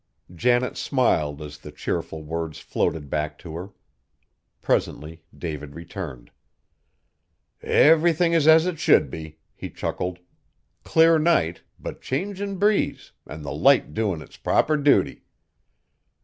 Janet smiled as the cheerful words floated back to her. Presently David returned. "Everythin' is as it should be," he chuckled; "clear night, but changin' breeze, an' the Light doin' its proper duty!